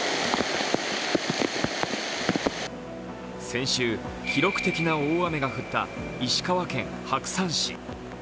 先週、記録的な大雨が降った石川県白山市。